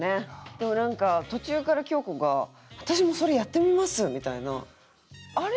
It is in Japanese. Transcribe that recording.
でもなんか途中から京子が「私もそれやってみます」みたいな。